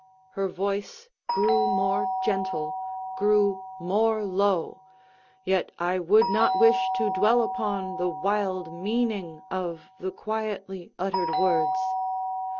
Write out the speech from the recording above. Her voice grew more gentle—grew more low—yet I would not wish to dwell upon the wild meaning of the quietly uttered words.